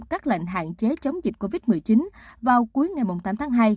các lệnh hạn chế chống dịch covid một mươi chín vào cuối ngày tám tháng hai